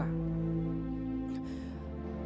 bagaimana pak menarga ajarin